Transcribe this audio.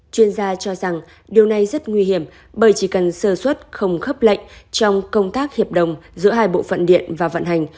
chuyên gia cho rằng điều này rất nguy hiểm bởi chỉ cần sơ xuất không khấp lệnh trong công tác hiệp đồng giữa hai bộ phận điện và vận hành